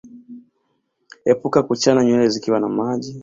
Epuka kuchana nywele zikiwa na maji